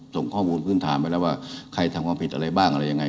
ส่งข้อมูลพื้นฐานไปแล้วว่าใครทำความผิดอะไรบ้างอะไรยังไง